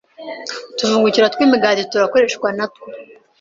utuvungukira tw’imigati turakoreshwa natwo